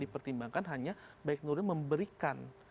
dipertimbangkan hanya baik nuril memberikan